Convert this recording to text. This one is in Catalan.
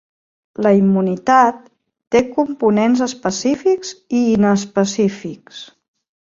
La immunitat té components específics i inespecífics.